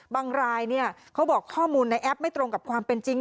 รายเขาบอกข้อมูลในแอปไม่ตรงกับความเป็นจริง